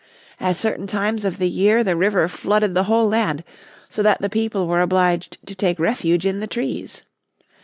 At certain times of the year the river flooded the whole land, so that the people were obliged to take refuge in the trees.